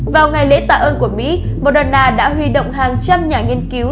vào ngày lễ tạ ơn của mỹ moderna đã huy động hàng trăm nhà nghiên cứu